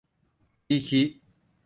คิคิ